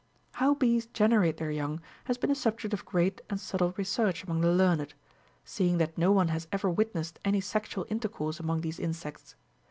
How bees generate their young has been a subject of great arid subtle research among the learned ; seeing that no one has ever witnessed47 any sexual intercourse among these insects.